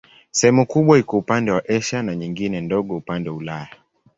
Sehemu kubwa iko upande wa Asia na nyingine ndogo upande wa Ulaya.